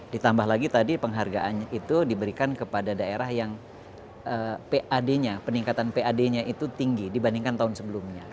ditambah lagi tadi penghargaan itu diberikan kepada daerah yang pad nya peningkatan pad nya itu tinggi dibandingkan tahun sebelumnya